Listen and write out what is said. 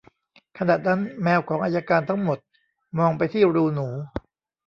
ขณะนั้น แมวของอัยการทั้งหมดมองไปที่รูหนู